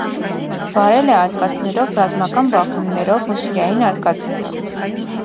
Վարել է արկածներով, ռազմական բախումներվ ու սիրային արկածներով։